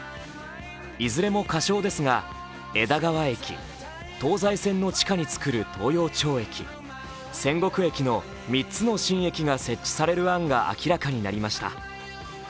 いずれも仮称ですが、枝川駅、東西線の地下に作る東陽町駅、千石駅の３つの新駅が設置される案が明らかになりました。